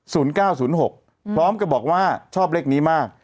ศูนย์เก้าศูนย์หกพร้อมก็บอกว่าชอบเลขนี้มาก